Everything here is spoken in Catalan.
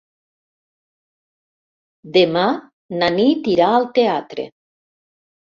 Demà na Nit irà al teatre.